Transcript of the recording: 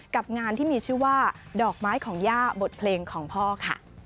กับงานที่มีชื่อว่าดอกไม้ของย่าบทเพลงของพ่อค่ะ